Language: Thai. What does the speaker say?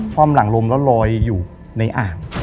ความหลังลมแล้วลอยอยู่ในอ่าง